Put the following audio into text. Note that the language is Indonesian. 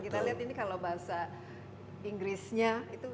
kita lihat ini kalau bahasa inggrisnya itu